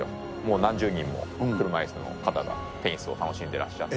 何十人も、車いすの方がテニスを楽しんでいらっしゃって。